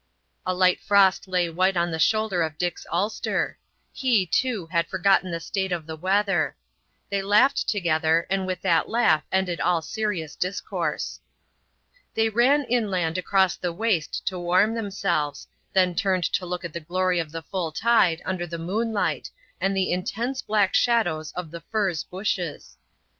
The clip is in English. A light frost lay white on the shoulder of Dick's ulster. He, too, had forgotten the state of the weather. They laughed together, and with that laugh ended all serious discourse. They ran inland across the waste to warm themselves, then turned to look at the glory of the full tide under the moonlight and the intense black shadows of the furze bushes.